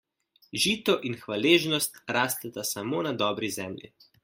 Žito in hvaležnost rasteta samo na dobri zemlji.